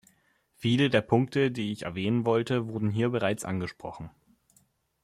Viele der Punkte, die ich erwähnen wollte, wurden hier bereits angesprochen.